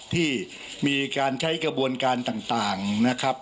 ที่มีการใช้กระบวนการต่างนะครับ